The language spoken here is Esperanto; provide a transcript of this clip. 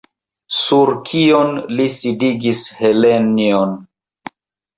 Sur kion li sidigis Helenjon?